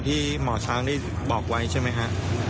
ที่หมอช้างได้บอกไว้ใช่ไหมฮะ